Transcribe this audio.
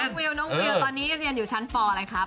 วิวน้องวิวตอนนี้เรียนอยู่ชั้นปอะไรครับ